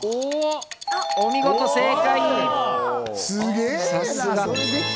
お見事、正解！